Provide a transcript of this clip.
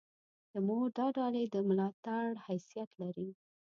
د مور دا ډالۍ د ملاتړ حیثیت لري.